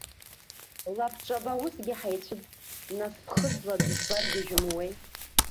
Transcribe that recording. Лабҿаба усгьы ҳаицәыӡт, нас ԥхыӡла дызбаргьы жәымуеи?